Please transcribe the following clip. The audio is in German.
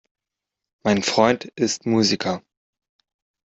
Mein Freund ist Musiker.